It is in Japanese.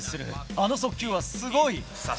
あの速球はすごい。